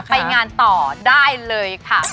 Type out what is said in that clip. ไปงานต่อได้เลยค่ะ